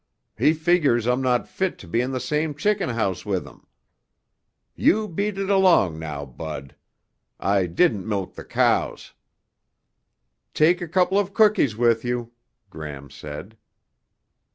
He figures I'm not fit to be in the same chicken house with him. You beat it along now, Bud. I didn't milk the cows." "Take a couple of cookies with you," Gram said.